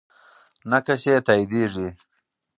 نقش یې تاییدیږي.